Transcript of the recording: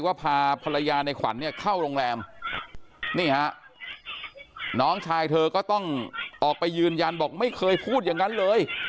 พาภรรยาในขวัญเนี่ยเข้าโรงแรมนี่ฮะน้องชายเธอก็ต้องออกไปยืนยันบอกไม่เคยพูดอย่างนั้นเลย